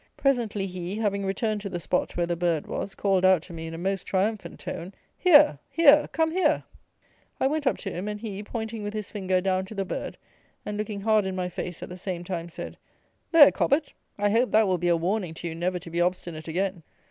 Presently he, having returned to the spot where the bird was, called out to me, in a most triumphant tone; "Here! here! Come here!" I went up to him, and he, pointing with his finger down to the bird, and looking hard in my face at the same time, said, "There, Cobbett; I hope that will be a warning to you never to be obstinate again"!